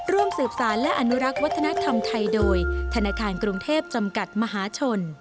ร่วมสืบสารและอนุรักษ์วัฒนธรรมไทยโดยธนาคารกรุงเทพจำกัดมหาชน